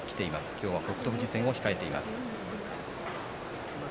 今日、北勝富士戦を控えています。